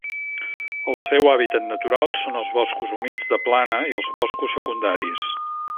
El seu hàbitat natural són els boscos humits de plana i els boscos secundaris.